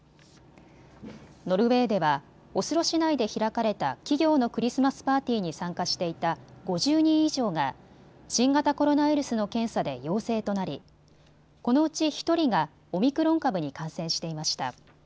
ノルウェーではオスロ市内で開かれた企業のクリスマスパーティーに参加していた５０人以上が新型コロナウイルスの検査で陽性となりこのうち１人がオミクロン株に感染していました。